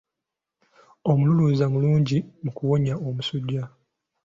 Omululuuza mulungi mu kuwonya omusujja.